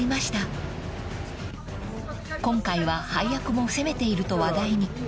［今回は配役も攻めていると話題に］